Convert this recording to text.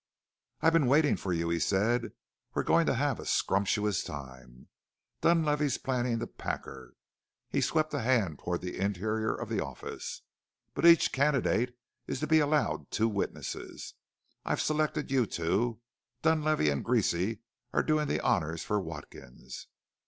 "I've been waitin' for you," he said; "we're goin' to have a scrumptuous time. Dunlavey's planning to pack her." He swept a hand toward the interior of the office. "But each candidate is to be allowed two witnesses. I've selected you two. Dunlavey and Greasy are doing the honors for Watkins.